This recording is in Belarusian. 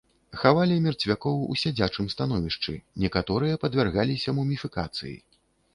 Хавалі мерцвякоў у сядзячым становішчы, некаторыя падвяргаліся муміфікацыі.